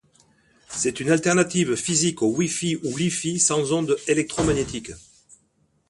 C'est une alternative physique au Wi-Fi ou Li-Fi, sans ondes électromagnétiques.